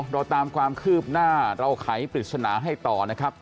เราตามความคืบหน้าเราไขปริศนาให้ต่อนะครับ